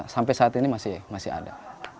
sampai saat ini masih ada